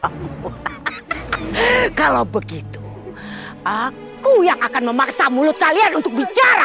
eh kalau begitu aku yang akan memaksa mulut kalian untuk bicara